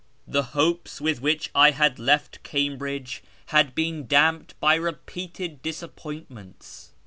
The hopes with which I had left Cambridge had been damped by repeated disappointments.